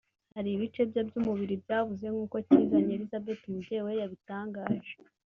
hari ibice bye by`umubiri byabuze; nk`uko Cyizanye Elisabeth umubyeyi we yabitangaje